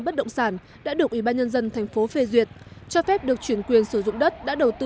bất động sản đã được ủy ban nhân dân thành phố phê duyệt cho phép được chuyển quyền sử dụng đất đã đầu tư